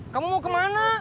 kamu mau kemana